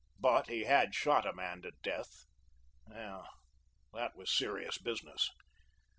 But he had shot a man to death. Ah, that was a serious business.